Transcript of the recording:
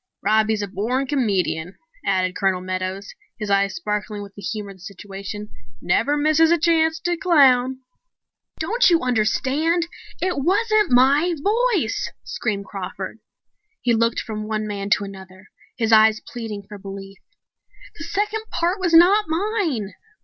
"Robbie's a born comedian," added Colonel Meadows, his eyes sparkling with the humor of the situation. "Never misses a chance to clown." "Don't you understand it wasn't my voice!" screamed Crawford. He looked from one man to another, his eyes pleading for belief. "The second part was not mine!"